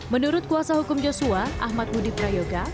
menurut kuasa hukum joshua ahmad budi prayoga